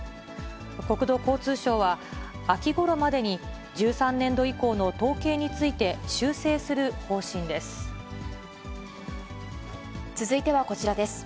国土交通省は、秋ごろまでに１３年度以降の統計について、修正する方針です。